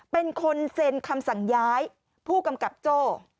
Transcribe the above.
เป็นคนเซ็นคำสั่งย้ายผู้กำกับโจ้